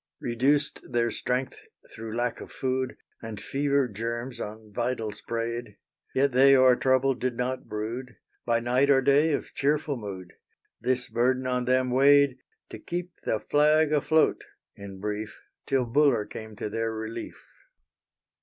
Reduced their strength through lack of food, And fever germs on vitals preyed; Yet they o'er trouble did not brood, By night or day of cheerful mood; This burden on them weighed To keep the flag afloat in brief, Till Buller came to their relief.